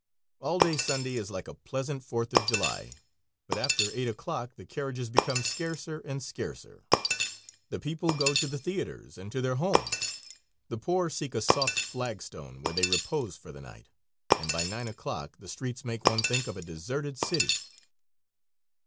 All day Sunday is like a pleasant Fourth of July, but after eight o'clock the carriages become scarcer and scarcer, the people go to the theaters and to their homes, the poor seek a soft flagstone, where they repose for the night, and by nine o'clock the streets make one think of a deserted city.